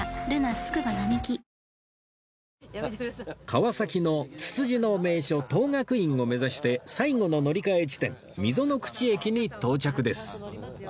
川崎のツツジの名所等覚院を目指して最後の乗り換え地点溝口駅に到着です